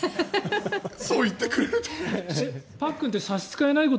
そう言ってくれると。